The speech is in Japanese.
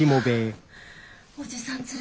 おじさん